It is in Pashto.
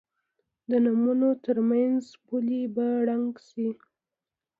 د نومونو تر منځ پولې به ړنګې شي.